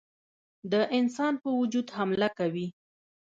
د انسان په وجود حمله کوي.